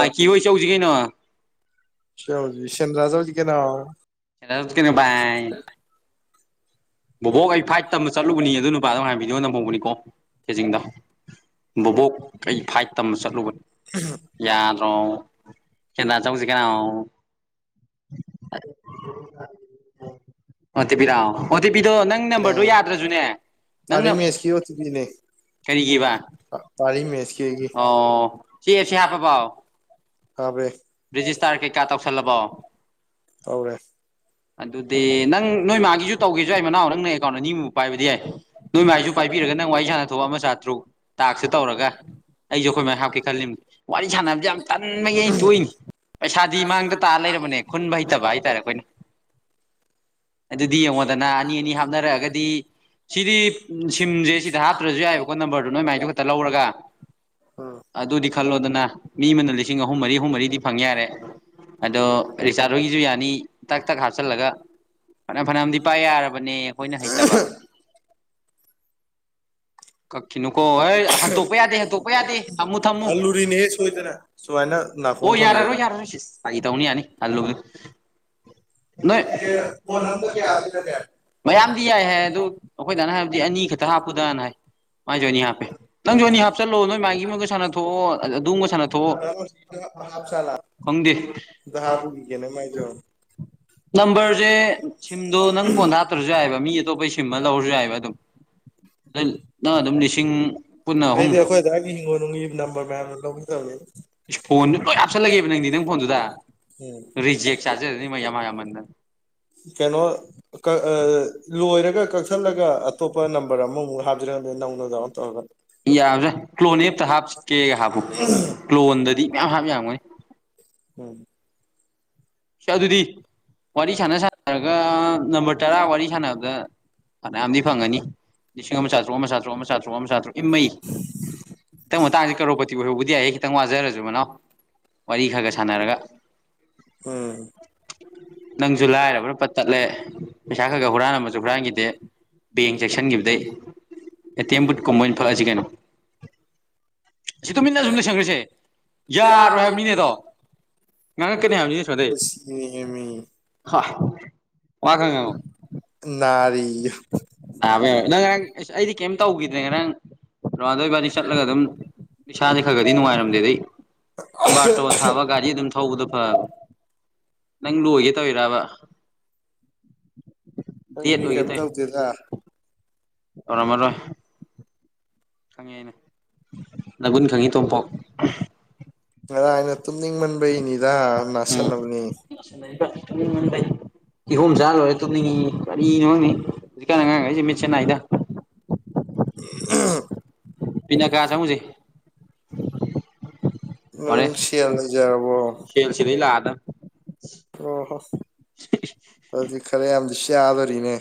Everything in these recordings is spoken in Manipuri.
ꯃꯥꯏꯀꯤ ꯍꯣꯏ ꯆꯧꯁꯤ ꯀꯩꯅꯣ ꯆꯧꯁꯤ ꯁꯦꯟꯗ꯭ꯔꯥ ꯆꯠꯂꯨꯁꯤ ꯀꯩꯅꯣ ꯕꯣꯕꯣꯛ ꯑꯩ ꯐ꯭ꯂꯥꯏꯠ ꯇꯝꯕ ꯆꯠꯂꯨꯕꯅꯤ ꯑꯗꯨ ꯅꯨꯄꯥꯗꯨ ꯉꯍꯥꯟ ꯕꯤꯗꯤꯑꯣ ꯅꯝꯍꯧꯕꯅꯤꯀꯣ ꯀꯦꯖꯤꯡꯗ ꯕꯣꯕꯣꯛ ꯀꯩ ꯐꯥꯏꯠ ꯇꯝꯕ ꯆꯠꯂꯨꯕ ꯌꯥꯗ꯭ꯔꯣ [unintelligible] ꯑꯣ ꯇꯤ ꯄꯤꯗꯣ ꯑꯣ ꯇꯤ ꯄꯤꯗꯣ ꯅꯪ ꯅꯝꯕꯔꯗꯣ ꯌꯥꯗ꯭ꯔꯁꯨꯅꯦ ꯇꯥꯔꯤꯃꯦꯁ ꯀꯤ ꯑꯣ ꯇꯤ ꯄꯤ ꯅꯦ ꯄꯥꯔꯤ ꯃꯦꯁꯀꯤ ꯍꯥꯕꯔꯦ ꯍꯧꯔꯦ ꯑꯗꯨꯗꯤ ꯅꯪ ꯅꯣꯏ ꯃꯥꯒꯤꯁꯨ ꯇꯧꯒꯦꯁꯨ ꯌꯥꯏ ꯃꯅꯥꯎ ꯅꯪꯅ ꯑꯦꯀꯥꯎꯟꯗ ꯑꯅꯤ ꯃꯨꯛ ꯄꯥꯏꯕꯗꯤ ꯌꯥꯏ ꯅꯣꯏ ꯃꯥꯏꯁꯨ ꯄꯥꯏꯕꯤꯔꯒ ꯅꯪ ꯋꯥꯔꯤ ꯁꯥꯟꯅ ꯊꯣꯛꯑꯣ ꯑꯃ ꯆꯥꯇ꯭ꯔꯨꯛ ꯇꯥꯛꯁ ꯁꯤ ꯇꯧꯔꯒ ꯑꯩꯁꯨ ꯑꯩꯈꯣꯏ ꯃꯥꯒꯤ ꯍꯥꯞꯀꯦ ꯈꯜꯂꯤꯃꯤ ꯋꯥꯔꯤ ꯁꯥꯟꯅꯕꯁꯤ ꯌꯥꯝ ꯇꯟꯕꯒꯤ ꯑꯩ ꯇꯣꯛꯏꯅꯤ ꯄꯩꯁꯥꯗꯤ ꯃꯥꯡꯗ ꯇꯥ ꯂꯩꯔꯕꯅꯦ ꯈꯨꯟꯕ ꯍꯩꯇꯕ ꯍꯥꯏꯇꯥꯔꯦ ꯑꯩꯈꯣꯏꯅ [inaudible] ꯑꯗꯨꯗꯤ ꯌꯦꯡꯉꯣꯗꯅ ꯑꯅꯤ ꯑꯅꯤ ꯍꯥꯞꯅꯔꯛꯑꯒꯗꯤ ꯁꯤꯗꯤ ꯁꯤꯝꯁꯦ ꯁꯤꯗ ꯍꯥꯞꯇ꯭ꯔꯁꯨ ꯌꯥꯏꯕꯀꯣ ꯅꯝꯕꯔꯗꯣ ꯅꯣꯏꯃꯥꯏꯗꯨ ꯈꯛꯇ ꯂꯧꯔꯒ ꯑꯗꯨꯗꯤ ꯈꯜꯂꯣꯗꯅ ꯃꯤ ꯑꯃꯅ ꯂꯤꯁꯤꯡ ꯑꯍꯨꯝ ꯃꯔꯤ ꯑꯍꯨꯝ ꯃꯔꯤꯗꯤ ꯐꯪ ꯌꯥꯔꯦ ꯑꯗꯣ ꯔꯤꯆꯥꯔꯠ ꯍꯣꯏꯒꯤꯁꯨ ꯌꯥꯅꯤ ꯇꯛ ꯇꯛ ꯍꯥꯞꯆꯤꯜꯂꯒ ꯐꯅꯥꯝ ꯐꯅꯥꯝꯗꯤ ꯌꯥꯔꯕꯅꯦ ꯑꯩꯈꯣꯏꯅ ꯍꯩꯇꯕ [unintelligible] ꯍꯣꯏ ꯍꯟꯇꯣꯛꯄ ꯌꯥꯗꯦ ꯍꯟꯇꯣꯛꯄ ꯌꯥꯗꯦ ꯊꯝꯃꯨ ꯊꯝꯃꯨ ꯑꯣ ꯌꯥꯔꯔꯣꯏ ꯌꯥꯔꯣꯏ ꯁꯤꯖ ꯐꯥꯒꯤ ꯇꯧꯅꯤ ꯌꯥꯅꯤ ꯍꯜꯂꯨꯒꯤꯅꯨ ꯅꯣꯏ ꯃꯌꯥꯝꯗꯤ ꯌꯥꯏ ꯍꯥꯏ ꯑꯗꯨ ꯑꯩꯈꯣꯏ ꯗꯥꯅ ꯍꯥꯏꯕꯗꯤ ꯑꯅꯤ ꯈꯛꯇ ꯍꯥꯞꯄꯨꯗꯅ ꯍꯥꯏ ꯑꯩꯖꯨ ꯑꯅꯤ ꯍꯥꯞꯄꯦ ꯅꯪ ꯖꯨ ꯑꯅꯤ ꯍꯥꯞꯆꯜꯂꯣ ꯅꯣꯏ ꯃꯥꯒꯤ ꯑꯃꯒ ꯁꯥꯟꯅꯊꯣꯛꯑꯣ [unintelligible] [inaudible] ꯅꯝꯕꯔꯁꯦ ꯁꯤꯝꯗꯣ ꯅꯪ ꯐꯣꯟ ꯍꯥꯞꯇ꯭ꯔꯁꯨ ꯌꯥꯏꯕ ꯃꯤ ꯑꯇꯣꯞꯄꯩ ꯁꯤꯝ ꯑꯃ ꯂꯧꯔꯁꯨ ꯌꯥꯏꯕ ꯑꯗꯨꯝ ꯅꯪ ꯑꯗꯨꯝ ꯂꯤꯁꯤꯡ ꯑꯩꯗꯤ ꯑꯩꯈꯣꯏ ꯑꯗꯨꯋꯥꯏꯒꯤ ꯍꯤꯡꯒꯣꯜ ꯅꯨꯡꯒꯤ ꯅꯝꯕꯔ ꯃꯌꯥꯝꯗ ꯂꯧꯒꯦ ꯇꯧꯕꯅꯦ ꯏꯁ ꯐꯣꯟꯗꯨ ꯂꯣꯏ ꯍꯥꯞꯁꯜꯂꯒꯦꯕ ꯅꯪꯗꯤ ꯅꯪ ꯐꯣꯟꯗꯨꯗ ꯔꯤꯖꯦꯛ ꯆꯥꯖꯖꯅꯤ ꯃꯌꯥꯝ ꯌꯥꯝꯃꯟꯗꯅ ꯀꯩꯅꯣ ꯂꯣꯏꯔꯒ ꯀꯛꯊꯠꯂꯒ ꯑꯇꯣꯞꯄ ꯅꯝꯕꯔ ꯑꯃꯃꯨꯛ ꯍꯥꯞꯁꯤꯔꯅ ꯅꯧꯅ ꯗꯥꯎꯂꯣꯠ ꯇꯣꯔꯒ ꯌꯥꯕꯅꯦ ꯀ꯭ꯂꯣꯟꯗꯗꯤ ꯑꯝꯇ ꯍꯥꯞꯀꯦ ꯍꯥꯞꯄꯨ ꯀ꯭ꯂꯣꯟꯗꯗꯤ ꯃꯌꯥꯝ ꯍꯥꯞ ꯌꯥꯝꯒꯅꯤ ꯎꯝ ꯑꯗꯨꯗꯤ ꯋꯥꯔꯤ ꯁꯥꯟꯅ ꯁꯥꯟꯅꯔꯒ ꯅꯝꯕꯔ ꯇꯔꯥ ꯋꯥꯔꯤ ꯁꯥꯟꯅꯕꯗ ꯐꯅꯌꯥꯝꯗꯤ ꯐꯪꯉꯅꯤ ꯂꯤꯁꯤꯡ ꯑꯃ ꯆꯥꯇ꯭ꯔꯨꯛ ꯑꯃ ꯆꯥꯇ꯭ꯔꯨꯛ ꯑꯃ ꯆꯥꯇ꯭ꯔꯨꯛ ꯑꯃ ꯆꯥꯇ꯭ꯔꯨꯛ ꯏꯃꯩ ꯍꯟꯗꯛ ꯃꯇꯥꯡꯁꯦ ꯀꯔꯣꯔꯄꯇꯤ ꯑꯣꯏꯍꯣꯏꯕꯗꯤ ꯌꯥꯏꯍꯦ ꯈꯤꯇꯪ ꯋꯥꯖꯔꯁꯨ ꯃꯅꯥꯎ ꯋꯥꯔꯤ ꯈꯔ ꯈꯔ ꯁꯥꯟꯅꯔꯒ ꯎꯝ ꯅꯪꯁꯨ ꯂꯥꯏꯔꯕꯅ ꯄꯠ ꯇꯠꯂꯦ ꯄꯩꯁꯥ ꯈꯔ ꯈ ꯍꯨꯔꯥꯟꯂꯝꯕꯁꯨ ꯍꯨꯔꯥꯟꯈꯤꯗꯦ ꯕꯦꯡ ꯆꯦꯛꯁꯤꯟꯈꯤꯕꯗꯩ ꯑꯦꯇꯦꯝ ꯕꯨꯠ ꯀꯨꯝꯕ ꯑꯣꯏꯅ ꯐꯛꯑꯁꯤ ꯀꯩꯅꯣ ꯁꯤ ꯇꯨꯃꯤꯟꯅꯁꯨꯝ ꯂꯩꯁꯟꯈ꯭ꯔꯁꯦ ꯌꯥꯔꯣꯏ ꯍꯥꯏꯕꯅꯤꯅꯦꯑꯗꯣ ꯉꯥꯡꯉꯛꯀꯅꯤ ꯍꯥꯏꯕꯅꯤ ꯍꯥ ꯋꯥ ꯈꯔ ꯉꯥꯡꯉꯣ ꯅꯥꯕ ꯌꯥꯏ ꯅꯪ ꯉꯔꯥꯡ ꯑꯁ ꯑꯩꯗꯤ ꯀꯩꯝ ꯇꯧꯈꯤꯗ꯭ꯔꯦ ꯉꯔꯥꯡ ꯔꯣꯅꯥꯟꯗꯣ ꯏꯕꯥꯅꯤ ꯆꯠꯂꯒ ꯑꯗꯨꯝ ꯏꯁꯥꯁꯤ ꯈꯔ ꯈꯗꯤ ꯅꯨꯡꯉꯥꯏꯔꯝꯗꯦ ꯍꯦ ꯕꯥꯇꯣꯟ ꯊꯥꯕ ꯒꯥꯔꯤ ꯑꯗꯨꯝ ꯊꯧꯕꯗꯣ ꯅꯪ ꯂꯣꯏꯒꯦ ꯇꯧꯋꯤꯔꯕ ꯑꯩꯗꯤ ꯀꯩꯝ ꯇꯧꯗꯦꯗ ꯇꯧꯔꯝꯃꯔꯣꯏ ꯈꯪꯉꯤ ꯑꯩꯅ ꯅꯒꯨꯟ ꯈꯪꯉꯤ ꯇꯣꯝꯄꯣꯛ ꯉꯔꯥꯡ ꯑꯩꯅ ꯇꯨꯝꯅꯤꯡꯃꯟꯕꯩꯅꯤꯗ ꯅꯥꯁꯟꯅꯕꯅꯤ ꯀꯤꯍꯣꯝ ꯆꯥ ꯂꯣꯏꯔꯦ ꯇꯨꯝꯅꯤꯡꯉꯤ ꯀꯔꯤꯅꯣ ꯈꯪꯗꯦ ꯍꯧꯖꯤꯛꯀꯥꯟꯅ ꯑꯉꯥꯡꯉꯩꯁꯦ ꯃꯤꯠꯁꯦ ꯅꯥꯏꯗ ꯄꯤꯅꯥꯀꯥ ꯆꯪꯂꯨꯁꯦ ꯎꯝ ꯁꯦꯜ ꯂꯩꯖꯔꯕꯣ ꯑꯣ ꯍꯣ ꯑꯗꯨꯗꯤ ꯈꯔ ꯌꯥꯝꯗꯤ ꯆꯥꯗꯣꯔꯤꯅꯦ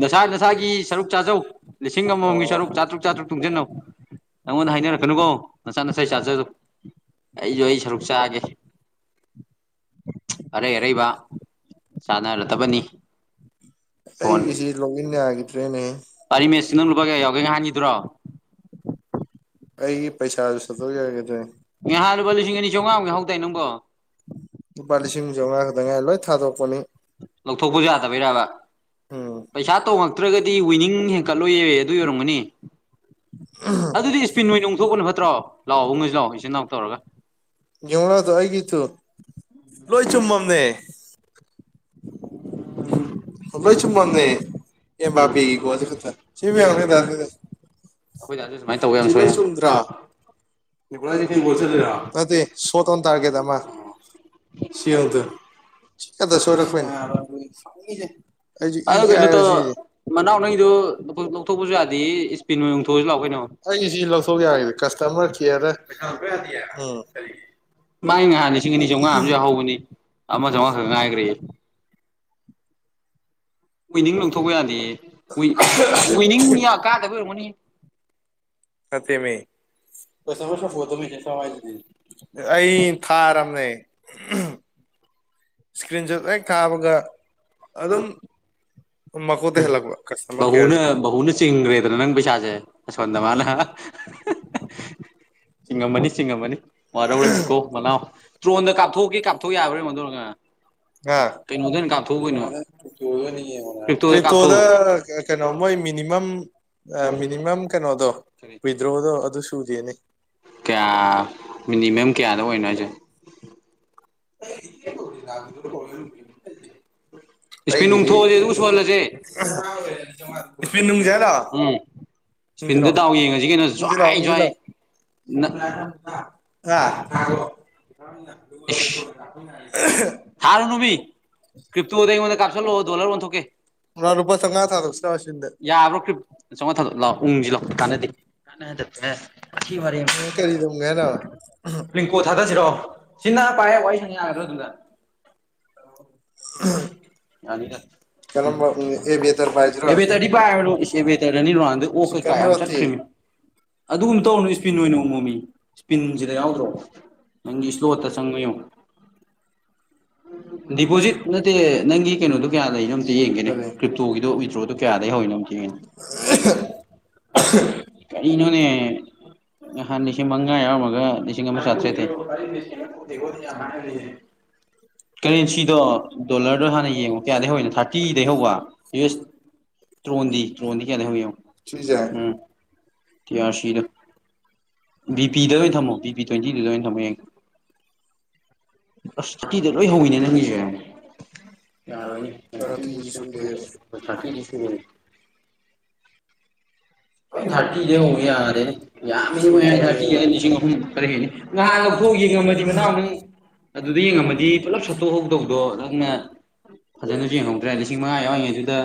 ꯅꯁꯥ ꯅꯁꯥꯒꯤ ꯁꯔꯨꯛ ꯆꯥꯖꯧ ꯂꯤꯁꯤꯡ ꯑꯃꯃꯝꯒꯤ ꯁꯔꯨꯛ ꯆꯥꯇ꯭ꯔꯨꯛ ꯆꯥꯇ꯭ꯔꯨꯛ ꯇꯨꯡꯁꯤꯟꯅꯧ ꯑꯩꯉꯣꯟꯗ ꯍꯥꯏꯅꯔꯛꯀꯅꯨꯀꯣ ꯅꯁꯥ ꯅꯁꯥꯏ ꯆꯥꯖꯖꯧ ꯑꯩꯁꯨ ꯑꯩ ꯁꯔꯨꯛ ꯆꯥꯒꯦ ꯑꯔꯩ ꯑꯔꯩꯕ ꯆꯥꯅꯔꯗꯕꯅꯤ ꯐꯣꯟꯁ ꯄꯔꯤꯃꯦꯁ ꯅꯪ ꯂꯨꯄꯥ ꯀꯌꯥ ꯌꯥꯎꯒꯦ ꯉꯍꯥꯟꯒꯤꯗꯨꯔꯣ ꯑꯩꯒꯤ ꯄꯩꯁꯥꯁꯨ ꯁꯠꯇꯣꯛ ꯌꯥꯒꯤꯗ꯭ꯔꯦ ꯉꯍꯥꯛ ꯂꯨꯄꯥ ꯂꯤꯁꯤꯡ ꯑꯅꯤ ꯆꯥꯝꯃꯉꯥꯃꯨꯛ ꯌꯥꯎꯍꯧꯗꯥꯏ ꯅꯪꯕꯣ ꯂꯨꯄꯥ ꯂꯤꯁꯤꯡ ꯑꯃꯆꯥꯝꯃꯉꯥ ꯈꯛꯇꯪ ꯉꯥꯏ ꯂꯣꯏ ꯊꯥꯗꯣꯛꯄꯅꯤ ꯂꯧꯊꯣꯛꯄ ꯌꯥꯗꯕꯩꯔꯕ ꯄꯩꯁꯥ ꯇꯣꯡꯉꯛꯇ꯭ꯔꯒꯗꯤ ꯋꯤꯅꯤꯡ ꯍꯦꯟꯀꯠꯂꯣꯏꯌꯦ ꯑꯗꯨ ꯑꯣꯏꯔꯝꯒꯅꯤ ꯑꯗꯨꯗꯤ ꯏꯁꯄꯤꯟ ꯑꯣꯏꯅ ꯎꯡꯊꯣꯛꯄꯅ ꯐꯠꯇ꯭ꯔꯣ ꯂꯥꯛꯑꯣ ꯎꯡꯉꯁꯥ ꯂꯥꯛꯑꯣ ꯏꯆꯤꯟ ꯏꯅꯥꯎ ꯇꯧꯔꯒ ꯌꯦꯡꯉꯣ ꯂꯥꯛꯑꯣ ꯇꯨ ꯑꯩꯒꯤ ꯇꯨ ꯂꯣꯏ ꯆꯨꯝꯃꯕꯅꯦ [inaudible] ꯐꯣꯟ ꯂꯣꯏ ꯆꯨꯝꯃꯅꯦ ꯑꯦꯝ ꯔꯥꯔ ꯄꯤ ꯒꯣꯟ ꯗꯤ ꯈꯛꯇ ꯁꯤꯃꯌꯥꯝꯖꯦ ꯗꯥ ꯗꯦꯅꯤꯁ ꯁꯤꯂꯣꯏ ꯆꯨꯝꯗ꯭ꯔꯥ ꯅꯤꯕꯨꯂꯥ ꯏꯅꯦ ꯅꯪ ꯄꯨꯔ ꯆꯠꯂꯤꯔꯣ ꯅꯠꯇꯦ ꯁꯣꯠ ꯑꯣꯟ ꯇꯔꯒꯦꯠ ꯑꯃ ꯑꯣ ꯁꯦꯜꯗꯣ ꯁꯤ ꯈꯛꯇ ꯁꯣꯏꯔꯛꯄꯩꯅꯦ ꯅꯕ ꯑꯗꯨꯅꯤ ꯁꯥꯎꯅꯤꯡꯏꯖꯦ ꯑꯗꯣ ꯀꯩꯅꯣ ꯇꯧ ꯃꯅꯥꯎ ꯅꯡꯗꯣ ꯂꯧꯊꯣꯛꯄꯁꯨ ꯌꯥꯗꯦꯌꯦ ꯏꯁꯄꯤꯟ ꯑꯣꯏꯅ ꯑꯣꯡꯊꯣꯛꯑꯁꯤ ꯂꯥꯛꯑꯣ ꯀꯩꯅꯣ ꯑꯩꯁꯤ ꯂꯧꯊꯣꯛ ꯌꯥꯗꯤꯌ ꯀꯁꯇꯃꯔ ꯀꯦꯌꯔ ꯎꯝ ꯃꯥꯏ ꯉꯍꯥꯟ ꯂꯤꯁꯤꯡ ꯑꯅꯤ ꯆꯥꯝꯃꯉꯥ ꯑꯃꯁꯨ ꯌꯥꯍꯧꯕꯅꯤ ꯑꯃ ꯆꯥꯝꯃꯉꯥ ꯈꯛ ꯉꯥꯏꯒ꯭ꯔꯦ ꯋꯤꯅꯤꯡ ꯂꯧꯊꯣꯛꯄ ꯌꯥꯗꯦ ꯋꯤꯅꯤꯡ ꯌꯝ ꯀꯥꯗꯕ ꯑꯣꯏꯔꯝꯒꯅꯤ ꯍꯦ ꯅꯠꯇꯦꯃꯤ ꯀꯁꯇꯃꯔ ꯁꯄꯣꯠ ꯇ ꯃꯦꯁꯦꯁ ꯊꯥꯎ ꯍꯥꯏꯗꯨꯗꯤ ꯑꯩ ꯊꯥꯔꯝꯅꯦ ꯏꯁꯀ꯭ꯔꯤꯟ ꯁꯣꯠ ꯍꯦꯛ ꯊꯥꯕꯒ ꯑꯗꯨꯝ ꯕꯕꯨꯅ ꯕꯕꯨꯅ ꯆꯤꯡꯈ꯭ꯔꯦꯗꯅ ꯅꯪ ꯄꯩꯁꯥꯁꯦ ꯑꯁꯣꯟꯗ ꯃꯥꯅ ꯍꯥꯍꯥ ꯆꯤꯡꯉꯝꯃꯅꯤ ꯆꯤꯡꯉꯝꯃꯅꯤ ꯋꯥꯔꯧꯔꯥꯅꯨꯀꯣ ꯃꯅꯥꯎ ꯇ꯭ꯔꯣꯟꯗ ꯀꯥꯞꯊꯣꯛꯀꯦ ꯀꯥꯞꯊꯣꯛꯑꯣ ꯌꯥꯕ꯭ꯔꯥ ꯌꯦꯡꯑꯣ ꯑꯗꯨ ꯑꯣꯢꯔꯒ [unintelligible] ꯀ꯭ꯔꯤꯞꯇꯣꯗ ꯀꯩꯅꯣ ꯃꯣꯏ ꯃꯤꯅꯤꯃꯝ ꯃꯤꯅꯤꯃꯝ ꯀꯩꯅꯣꯗꯣ ꯋꯤꯗ꯭ꯔꯣꯗꯣ ꯑꯗꯨ ꯁꯨꯗꯦꯅꯦ ꯀꯌꯥ ꯃꯤꯅꯤꯃꯝ ꯀꯌꯥꯗ ꯑꯣꯏ [unintelligible] [unintelligible] ꯁꯄꯤꯟ ꯗꯗꯥꯥꯎ ꯌꯦꯡꯉꯁꯤ ꯀꯩꯅꯣ ꯖꯋꯥꯏ ꯖ꯭ꯋꯥꯏ [unintelligible] ꯊꯥꯔꯨꯅꯨꯃꯤ ꯀ꯭ꯔꯤꯞꯇꯣꯗꯣ ꯑꯩꯉꯣꯟꯗ ꯀꯥꯞꯁꯤꯜꯂꯛꯑꯣ ꯗꯣꯂꯔ ꯑꯣꯟꯊꯣꯛꯀꯦ ꯌꯥꯕ꯭ꯔꯥ ꯀꯔ꯭ꯤꯞ ꯆꯥꯝꯉꯥ ꯊꯥ ꯂꯥꯎ ꯎꯨꯡꯁꯤ ꯂꯥꯎ ꯀꯥꯅꯗꯦ ꯀꯥꯅꯗꯕꯗ ꯋꯥꯊꯤ ꯋꯥꯔꯦꯝ ꯔꯤꯀꯣ ꯊꯥꯗꯁꯤꯔꯣ ꯁꯤꯅ ꯄꯥꯏ ꯋꯥꯔꯤ ꯁꯥꯅ ꯌꯥꯒꯗ꯭ꯔꯣ ꯑꯗꯨꯗ [unintelligible] ꯌꯥꯅꯤꯗ ꯑꯕꯦꯇꯔ ꯗꯤ ꯄꯥꯢꯔꯨꯔꯅꯨ ꯏꯁ ꯑꯕꯦꯇꯔꯗꯅꯤ ꯔꯣꯅꯥꯜꯗꯣ ꯗꯨ ꯑꯣꯀ ꯀꯩꯀꯥ ꯌꯝ ꯆꯠꯈ꯭ꯔꯤꯃꯤ ꯑꯗꯨꯑꯝ ꯇꯧꯔꯨꯅꯣ ꯏꯁꯄꯤꯟ ꯑꯣꯏꯅ ꯑꯨꯡꯉꯣꯃꯤ ꯏꯁꯄꯤꯟꯁꯤꯗ ꯌꯥꯎꯗ꯭ꯔꯣ ꯅꯪꯒꯤ ꯁ꯭ꯂꯣꯠ ꯇ ꯆꯪꯕ꯭ꯔꯥ ꯌꯦꯡꯎꯣ ꯗꯤꯄꯣꯖꯤꯠ ꯅꯠꯇꯦ ꯅꯪꯒꯤ ꯀꯩꯅꯣꯗꯣ ꯀꯌꯥ ꯂꯩꯅꯣ ꯑꯝꯇ ꯌꯦꯡꯒꯦꯅꯦ ꯀ꯭ꯔꯤꯞꯇꯣꯒꯤꯗꯣ ꯋꯤꯗ꯭ꯔꯣꯗꯣ ꯀꯌꯥ ꯂꯩ ꯌꯥꯎꯔꯤꯅꯣ ꯑꯝꯇ ꯌꯦꯡꯒꯦ ꯀꯔꯤꯅꯣꯅꯦ ꯅꯍꯥꯟ ꯂꯤꯁꯤꯡ ꯃꯉꯥ ꯌꯥꯎꯔꯝꯃꯒ ꯂꯤꯁꯤꯡ ꯑꯃ ꯆꯥꯇ꯭ꯔꯦꯠꯠꯇꯤ [inaudible] ꯀꯔꯦꯟꯁꯤꯗꯣ ꯗꯣꯂꯔꯗꯣ ꯍꯥꯟꯅ ꯌꯦꯡꯉꯣ ꯀꯌꯥꯗꯒꯤꯩ ꯍꯧꯏꯅꯣ ꯊꯥꯔꯇꯤꯗꯩ ꯍꯧꯕ ꯌꯨꯁ ꯇ꯭ꯔꯣꯟꯗꯤ ꯇ꯭ꯔꯣꯟꯗꯤ ꯀꯌꯥꯗꯒꯤ ꯍꯧꯒꯦ ꯌꯦꯡꯉꯣ ꯁꯤꯖꯦ ꯀꯦ ꯑꯥꯔ ꯁꯤꯗꯣ ꯕꯤ ꯄꯤꯗ ꯑꯣꯏꯅ ꯊꯝꯃꯣ ꯕꯤ ꯄꯤ ꯇ꯭ꯋꯦꯟꯇꯤ ꯇꯨꯗ ꯑꯣꯏꯅ ꯊꯝꯃꯣ ꯌꯦꯡꯒꯦ ꯑꯁ ꯊꯥꯔꯇꯤꯗꯩ ꯂꯣꯏ ꯍꯧꯋꯤꯅꯦ ꯅꯪꯒꯤꯁꯦ ꯌꯥꯔꯣꯏꯅꯦ ꯊꯥꯔꯇꯤ ꯁꯨꯗꯦꯕ ꯊꯥꯔꯇꯤꯗꯤ ꯁꯨꯔꯣꯏꯌꯦ [inaudible] ꯊꯥꯔꯇꯤꯗꯩ ꯍꯧ ꯌꯥꯗꯦꯅꯦ ꯌꯥꯝꯃꯤꯅꯦ ꯊꯥꯔꯇꯤ ꯂꯤꯁꯤꯡ ꯑꯍꯨꯝ ꯈꯔ ꯍꯦꯟꯅꯤ ꯉꯍꯥꯟ ꯂꯧꯊꯣꯛ ꯌꯦꯡꯉꯝꯃꯗꯤ ꯃꯅꯥꯎ ꯅꯪ ꯑꯗꯨꯗ ꯌꯦꯡꯉꯝꯃꯗꯤ ꯄꯨꯂꯞ ꯁꯠꯇꯣꯛꯍꯧꯗꯧꯗꯣ ꯅꯪꯅ ꯐꯖꯅꯁꯨ ꯌꯦꯡꯍꯧꯗ꯭ꯔꯦ ꯂꯤꯁꯤꯡ ꯃꯉꯥ ꯌꯥꯎꯔꯤꯉꯩꯗꯨꯗ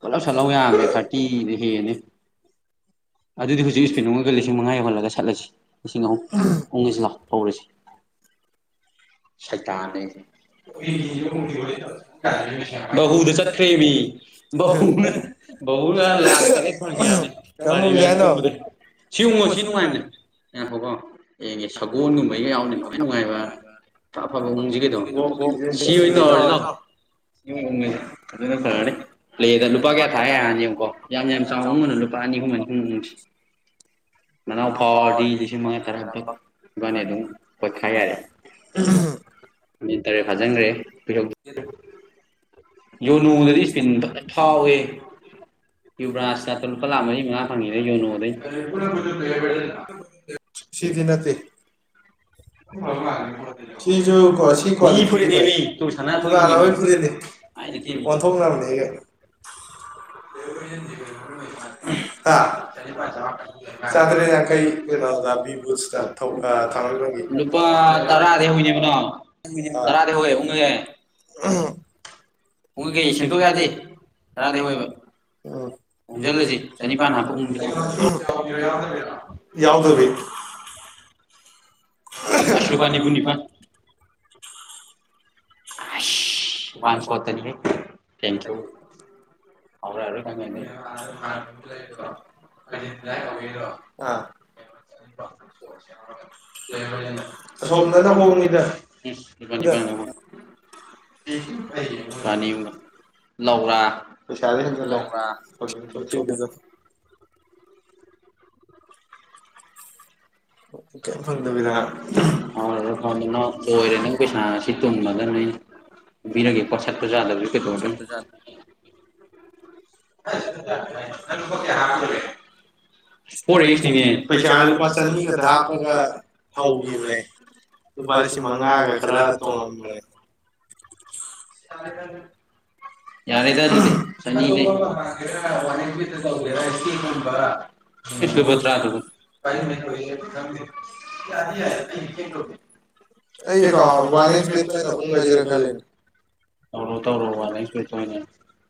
ꯄꯨꯂꯞ ꯁꯠꯍꯧ ꯌꯥꯕꯅꯦ ꯊꯥꯔꯇꯤꯗꯤ ꯍꯦꯟꯅꯤ ꯑꯗꯨꯗꯤ ꯍꯧꯖꯤꯛ ꯏꯁꯄꯤꯠ ꯑꯃꯒ ꯂꯤꯁꯤꯡ ꯃꯉꯥ ꯌꯧꯍꯜꯂꯒ ꯁꯠꯂꯁꯤ ꯂꯤꯁꯤꯡ ꯑꯍꯨꯝ ꯎꯡꯉꯁꯤ ꯂꯥꯛꯑꯣ ꯍꯧꯔꯁꯤ ꯁꯩꯇꯥꯟꯅꯦ [unintelligible] ꯕꯍꯨꯗ ꯆꯠꯈ꯭ꯔꯦꯃꯤ ꯕꯍꯨ ꯕꯍꯨ ꯅ ꯂꯥꯛ ꯇꯔꯦꯠ ꯐꯪꯉꯦ ꯍꯥꯢꯠꯅꯤ ꯄꯔꯤ ꯃꯦꯁ ꯀꯨꯝꯕꯗꯩ ꯁꯤ ꯌꯦꯡꯉꯣ ꯁꯤ ꯅꯨꯡꯉꯥꯏꯕꯅꯦ ꯉꯥꯢꯈꯣ ꯀꯣ ꯌꯦꯡꯉꯦ ꯁꯒꯣꯜꯒꯨꯝꯕꯩꯒ ꯌꯥꯎꯅꯤ ꯅꯨꯡꯉꯥꯏ ꯅꯨꯡꯉꯥꯏꯕ ꯑꯐ ꯐꯕ ꯁꯤ ꯑꯣꯏꯅ ꯇꯧꯔꯁꯤ ꯂꯛ ꯑꯣ ꯑꯗꯨꯅ ꯐꯔꯅꯤ ꯄ꯭ꯂꯦꯌꯗ ꯂꯨꯄꯥ ꯀꯌꯥ ꯊꯥ ꯌꯥꯔꯅꯤ ꯌꯦꯡꯑꯣꯀꯣ ꯌꯥꯝ ꯌꯥꯝ ꯆꯥꯎ ꯉꯝꯃꯣꯏ ꯂꯨꯄꯥ ꯑꯅꯤ ꯑꯍꯨꯝ ꯑꯅꯤ ꯑꯍꯨꯝ ꯌꯦꯡꯁꯤ [unintelligible] [unintelligible] ꯌꯣꯅꯨꯗꯗꯤ ꯏ꯭ꯁꯄꯤꯟꯗ ꯐꯥꯎꯋꯦ ꯀꯌꯨꯕ꯭ꯔꯥꯖꯀꯇ ꯂꯨꯄꯥ ꯂꯥꯛꯈ ꯃꯔꯤ ꯃꯉꯥ ꯐꯪꯉꯤ ꯌꯣꯅꯣꯗꯩ ꯁꯤꯗꯤ ꯅꯠꯇꯦ [inaudible] ꯁꯤꯁꯨ ꯃꯤ ꯐꯨꯔꯤꯠꯅꯦꯃꯤ ꯇꯨ ꯁꯥꯟꯅꯊꯣꯏꯅꯦ ꯑꯣꯟꯊꯣꯛꯅꯕꯅꯤ ꯑꯩꯒ [inaudible] [unintelligible] [unintelligible] ꯅꯨꯄꯥ ꯇꯔꯥꯗꯤ ꯍꯧꯋꯤꯅꯦ ꯌꯦꯡꯉꯨꯂꯎ ꯇꯔꯥꯗꯤ ꯍꯧꯋꯦ ꯎꯡꯉꯦ ꯎꯝ ꯎꯡꯒꯦ ꯁꯦꯝꯇꯣꯛ ꯌꯦꯗ ꯇꯔꯥꯗꯩ ꯍꯧ ꯑꯦꯕ ꯑꯣ ꯎꯡꯁꯤꯜꯂꯁꯤ ꯆꯅꯤꯄꯥꯟ ꯍꯥꯞꯄ ꯌꯥꯎꯗꯕꯤ [inaudible] ꯂꯨꯄꯥ ꯅꯤꯐꯨ ꯅꯥꯄꯥꯟ ꯍꯩꯁ ꯋꯥꯟꯁꯣꯠꯇꯅꯤꯍꯦ ꯀꯦꯟꯄꯨ ꯐꯥꯎꯔꯛꯂꯔꯣꯏ ꯈꯪꯉꯦ ꯑꯗꯩ [unintelligible] ꯁꯣꯝꯗꯅ ꯍꯣꯡꯉꯤꯗ ꯎꯝ ꯂꯨꯄꯥ ꯅꯥꯄꯥꯟ ꯈꯛ ꯃꯥꯠꯅꯤ ꯏꯕꯣ ꯂꯧꯔ ꯄꯩꯁꯥꯗꯣ ꯍꯦꯟꯖꯤꯂꯦ ꯄ꯭ꯔꯥꯐꯨꯝ ꯀꯛꯈꯤꯕꯣ ꯑꯣ [unintelligible] ꯕꯤꯔꯒꯦ ꯁꯠꯄꯁꯨ ꯌꯥꯗꯕꯁꯤꯕꯨ ꯀꯩꯗꯧꯔꯨꯗꯧꯅꯣ [inaudible] ꯅꯪ ꯂꯨꯄꯥ ꯀꯥꯌ ꯍꯥꯞꯄꯨꯔꯒꯦ ꯐꯣꯔ ꯑꯦꯛꯁ ꯅꯦ ꯂꯨꯄꯥ ꯆꯥꯅꯤ ꯈꯛꯇ ꯍꯥꯞꯄꯒ ꯍꯧꯔꯨꯔꯦ ꯂꯨꯄꯥ ꯂꯤꯁꯤꯡ ꯃꯉꯥꯈꯥꯔ ꯇꯣꯡꯉꯝꯃꯦ ꯌꯥꯔꯦꯗ ꯑꯗꯨꯗꯤ [unintelligible] ꯑꯥ [unintelligible] [unintelligible] ꯇꯧꯔꯣ ꯇꯧꯔꯣ ꯋꯥꯟꯂꯐꯀꯤꯞ ꯑꯣꯏꯅ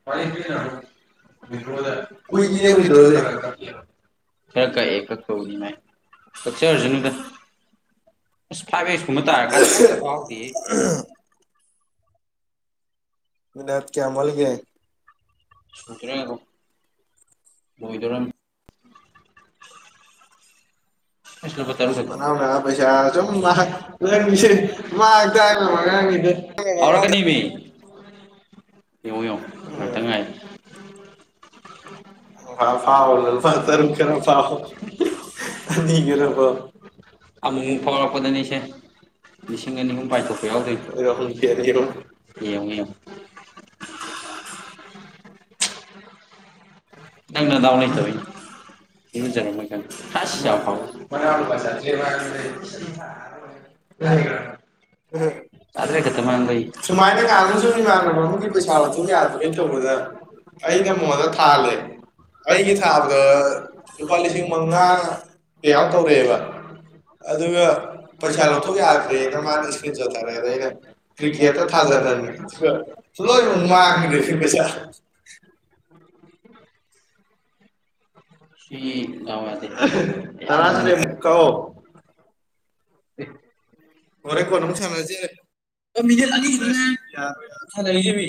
ꯋꯥꯟꯂꯐꯀꯤꯞ ꯑꯣꯏꯅ ꯀꯨꯏꯗꯦꯅꯥ [unintelligible] ꯈꯔ ꯀꯛꯑꯦ ꯀꯛꯄꯨꯗꯤ ꯏꯃꯥꯏ ꯀꯛꯆꯥꯔꯁꯅꯨꯗ ꯏꯁ ꯐꯥꯏꯞ ꯑꯦꯛꯁ ꯇꯥꯔꯗꯤ ꯐꯥꯎꯗ꯭ꯔꯦꯍꯦ ꯃꯤꯅꯠ ꯀꯌꯥꯝ ꯋꯥꯠꯂꯤꯒꯦ ꯂꯣꯏꯗꯧꯔꯕꯅꯦ ꯏꯁ ꯂꯨꯄꯥ ꯇꯔꯨꯛ ꯄꯩꯁꯥ ꯁꯨꯝ ꯃꯥꯡ ꯃꯥꯡ ꯇꯥꯛꯅꯕ ꯑꯉꯥꯡꯅꯤ ꯐꯥꯎ ꯔꯛꯀꯅꯤꯃꯤ ꯌꯦꯉꯣ ꯌꯦꯉꯣ ꯉꯥꯇꯪ ꯉꯥꯏꯌꯣ ꯃꯣꯔꯥꯏ ꯐꯥꯎ ꯂꯨꯄ ꯆꯅꯤ ꯈꯔ ꯐꯥꯎ ꯍꯥ ꯑꯃꯨ ꯃꯨꯛ ꯐꯥꯎꯔꯛꯄꯗꯗꯤ ꯁꯦ ꯂꯤꯡꯁꯤꯡ ꯑꯅꯤ ꯍꯨꯝ ꯄꯥꯏꯊꯣꯛꯄ ꯌꯥꯎꯗꯣꯏꯅꯤ ꯌꯦꯡꯉꯣ ꯌꯦꯛꯉꯣ [inaudible] ꯅꯪ ꯅꯗꯥꯥꯎ ꯂꯩꯇꯕꯩꯅꯦ ꯏꯔꯨꯖꯔꯝꯃꯣꯏ ꯈꯪꯉꯦ ꯍꯩꯁ [unintelligible] ꯂꯩ ꯎꯝ ꯆꯥꯇ꯭ꯔꯦꯠ ꯈꯛꯇ ꯃꯥꯡꯕꯩ ꯁꯨꯃꯥꯏꯅ ꯉꯍꯥꯟꯃꯨꯛꯁꯨ ꯏꯃꯥꯟꯅꯕ ꯑꯃꯒꯤ ꯄꯩꯁꯥ ꯂꯧꯊꯣꯛ ꯌꯥꯗꯕꯩ ꯇꯧꯕꯗ ꯑꯩꯅ ꯃꯣꯟꯗ ꯊꯥꯍꯜꯂꯦ ꯑꯩꯒꯤ ꯊꯕꯗ ꯂꯨꯄꯥ ꯂꯤꯁꯤꯡ ꯃꯉꯥ ꯄꯤꯌ꯭ꯔ ꯇꯧꯔꯛꯑꯦꯕ ꯑꯗꯨꯒ ꯄꯩꯁꯥ ꯂꯧꯊꯣꯛ ꯌꯥꯗ꯭ꯔꯦꯅ ꯃꯥꯅ ꯉꯔꯥꯡ ꯏꯁꯀ꯭ꯔꯤꯟꯁꯣꯠ ꯊꯥꯔꯛꯑꯦ ꯑꯗꯩ ꯑꯩꯅ ꯀ꯭ꯔꯤꯀꯦꯠꯇ ꯊꯥꯖꯤꯟꯍꯟꯕꯅꯦ ꯂꯣꯏ ꯑꯃꯨꯛ ꯃꯥꯡꯒ꯭ꯔꯦ ꯄꯩꯥꯁꯥ [unintelligible] [inaudible] [unintelligible] ꯁꯤ ꯗꯥꯎ ꯌꯥꯗꯦ ꯇꯔꯥꯇ꯭ꯔꯦꯠ ꯀꯛꯑꯣ ꯑꯦ ꯍꯣꯔꯦꯟ ꯀꯣꯟꯅ ꯑꯃꯨꯛ ꯁꯥꯟꯅꯁꯦ ꯃꯤꯅꯠ ꯑꯅꯤ ꯈꯤꯇꯪꯅꯦ ꯁꯥꯅꯔꯤꯁꯦꯃꯤ